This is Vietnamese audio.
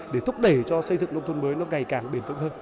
để thúc đẩy cho xây dựng nông thôn mới nó ngày càng bền tượng hơn